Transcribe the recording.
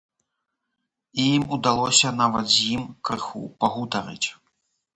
І ім удалося нават з ім крыху пагутарыць.